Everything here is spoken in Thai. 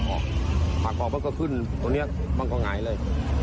ขักออกนอกก็ขึ้นตัวเเนี้ยบางก็หายเลย